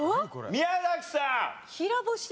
宮崎さん